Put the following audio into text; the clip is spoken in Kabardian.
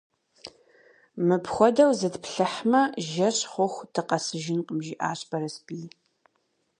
– Мыпхуэдэу зытплъыхьмэ, жэщ хъуху дыкъэсыжынкъым, – жиӀащ Бэрэсбий.